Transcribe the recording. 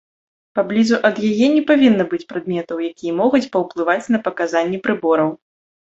Паблізу ад яе не павінна быць прадметаў, якія могуць паўплываць на паказанні прыбораў.